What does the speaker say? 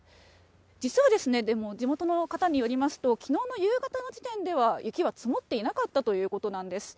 実は、でも地元の方によりますと、きのうの夕方の時点では雪は積もっていなかったということなんです。